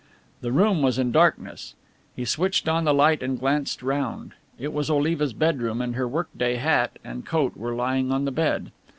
The room was in darkness. He switched on the light and glanced round. It was Oliva's bedroom, and her workday hat and coat were lying on the bed.